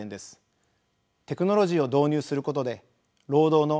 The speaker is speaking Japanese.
テクノロジーを導入することで労働の自動化が進みます。